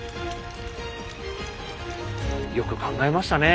よく考えましたね。